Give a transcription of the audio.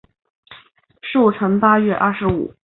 寿辰八月二十五。